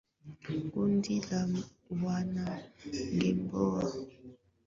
kundi la wanamgambo la waasi lenye makao yake